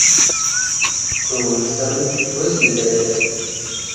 Көңіл сырын көз білдіреді.